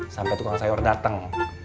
sampai tukang sayur dateng